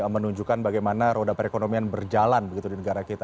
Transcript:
menunjukkan bagaimana roda perekonomian berjalan begitu di negara kita